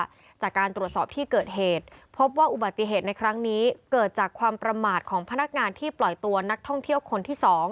จากการตรวจสอบที่เกิดเหตุพบว่าอุบัติเหตุในครั้งนี้เกิดจากความประมาทของพนักงานที่ปล่อยตัวนักท่องเที่ยวคนที่๒